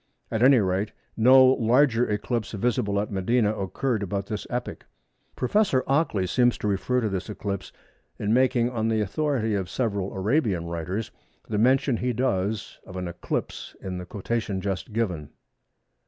At any rate no larger eclipse visible at Medina occurred about this epoch. Prof. Ockley seems to refer to this eclipse in making, on the authority of several Arabian writers, the mention he does of an eclipse in the quotation just given.